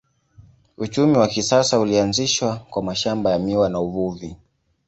Uchumi wa kisasa ulianzishwa kwa mashamba ya miwa na uvuvi.